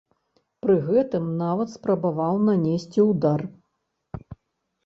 Пры гэтым нават спрабаваў нанесці ўдар.